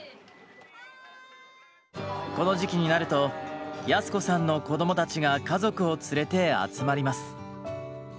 この時期になると靖子さんの子供たちが家族を連れて集まります。